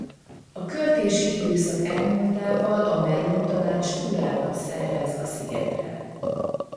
A költési időszak elmúltával a Mellum-tanács túrákat szervez a szigetre.